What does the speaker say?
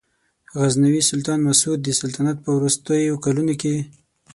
غزنوي سلطان مسعود د سلطنت په وروستیو کلونو کې.